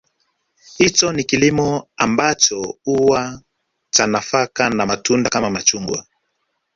Hicho ni kilimo ambacho huwa cha nafaka na matunda Kama machungwa